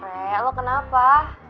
eh lo kenapa